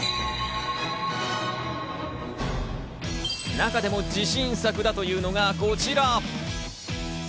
中でも自信作だというのがこちら。